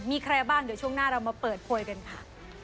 มีใครบ้างเดี๋ยวช่วงหน้าเรามาเปิดโพยกันค่ะ